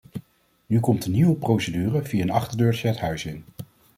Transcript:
Nu komt een nieuwe procedure via een achterdeurtje het huis in.